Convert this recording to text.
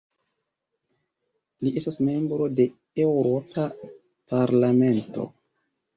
Li estas membro de Eŭropa parlamento.